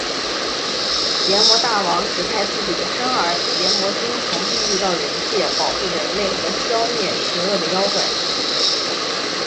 阎魔大王指派自己的甥儿炎魔君从地狱到人界保护人类和消灭邪恶的妖怪。